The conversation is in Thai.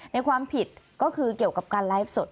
ในความผิดก็คือเกี่ยวกับการไลฟ์สด